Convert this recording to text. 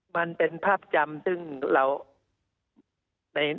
มันเป็นภาพจำซึ่งเรา